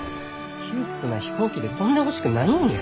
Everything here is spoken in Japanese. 窮屈な飛行機で飛んでほしくないんや。